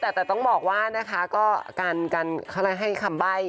แต่แต่ต้องบอกว่านะคะก็การให้คำใบ้